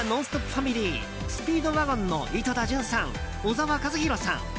ファミリースピードワゴンの井戸田潤さん、小沢一敬さん